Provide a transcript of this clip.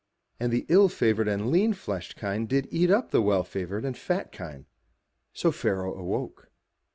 And the ill favoured and lean fleshed kine did eat up the well favoured and fat kine. So Pharaoh awoke.